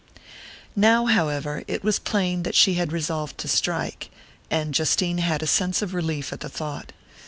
Now, however, it was plain that she had resolved to strike; and Justine had a sense of relief at the thought.